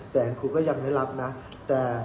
แต่คุณก็ยังไม่รับนะ